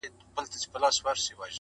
پلار یې پلنډه کړ روان مخ پر بېدیا سو،